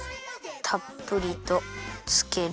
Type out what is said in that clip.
たっぷりとつける。